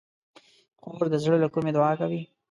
خور د زړه له کومي دعا کوي.